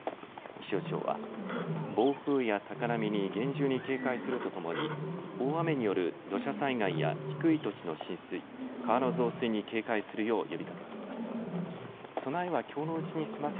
気象庁は暴風や高波に厳重に警戒するとともに大雨による土砂災害や低い土地の浸水、川の増水に警戒するよう呼びかけています。